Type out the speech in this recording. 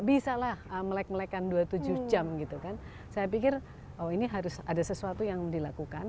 bisa lah melek melekan dua puluh tujuh jam gitu kan saya pikir oh ini harus ada sesuatu yang dilakukan